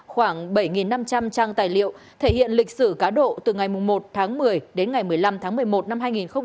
khoảng bảy năm trăm linh trang tài liệu thể hiện lịch sử cá độ từ ngày một tháng một mươi đến ngày một mươi năm tháng một mươi một năm hai nghìn một mươi tám